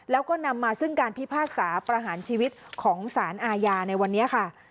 แล้วก็นำมาซึ่งการพิพากษาประหารชีวิตของสารอาญาในวันนี้ค่ะ